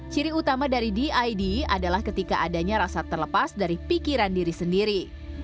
ciri utama dari did adalah ketika adanya rasa terlepas dari pikiran diri sendiri